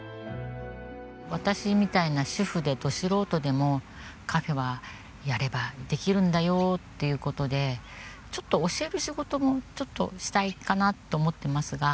私みたいな主婦でど素人でもカフェはやればできるんだよっていう事でちょっと教える仕事もちょっとしたいかなと思ってますが。